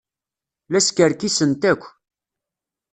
La skerkisent akk.